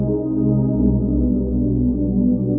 สวัสดีทุกคน